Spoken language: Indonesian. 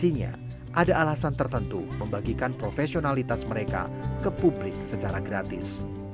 sebenarnya ada alasan tertentu membagikan profesionalitas mereka ke publik secara gratis